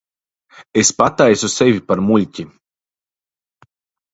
Es pataisu sevi par muļķi.